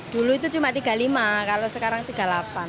dulu itu cuma tiga puluh lima kalau sekarang tiga puluh delapan